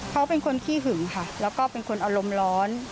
เขาเป็นคนขี้หึงค่ะแล้วก็เป็นคนอารมณ์ร้อน